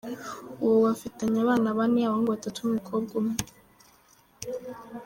Ubu bafitanye abana bane, abahungu batatu n’umukobwa umwe.